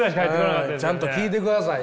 ちゃんと聞いてくださいよ。